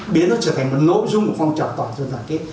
biến nó trở thành một nội dung một phong trọng toàn dân đoàn kết